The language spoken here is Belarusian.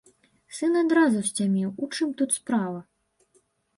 Сын адразу сцяміў, у чым тут справа.